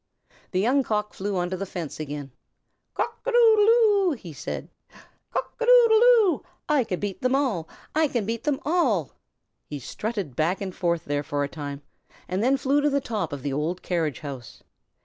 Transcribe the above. The Young Cock flew onto the fence again. "Cock a doodle doo!" said he. "Cock a doodle doo! I can beat them all! I can beat them all!" He strutted back and forth there for a time, and then flew to the top of the old carriage house.